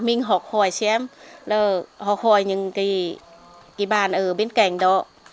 mình học hỏi xem là học hỏi những cái bàn ở bên cạnh đó